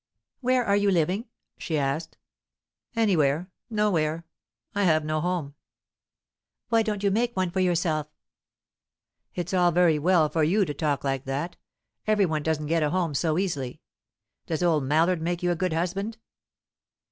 "Where are you living?" she asked. "Anywhere; nowhere. I have no home." "Why don't you make one for yourself?" "It's all very well for you to talk like that. Every one doesn't get a home so easily. Does old Mallard make you a good husband?"